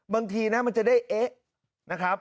บางทีนะมันจะได้เอ๊ะนะครับ